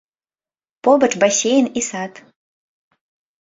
Побач басейн і сад.